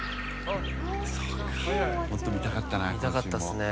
もっと見たかったな、今週も。